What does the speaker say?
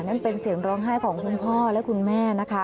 นั่นเป็นเสียงร้องไห้ของคุณพ่อและคุณแม่นะคะ